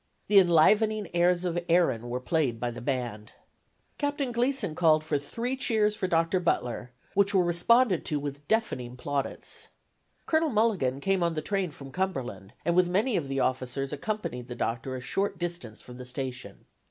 The enlivening airs of Erin were played by the band. Captain Gleason called for three cheers for Dr. Butler, which were responded to with deafening plaudits. Colonel Mulligan came on the train from Cumberland, and with many of the officers accompanied the Doctor a short distance from the station.